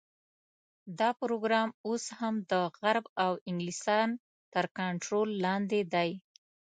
دا پروګرام اوس هم د غرب او انګلستان تر کنټرول لاندې دی.